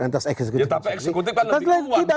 tapi eksekutif kan lebih kuat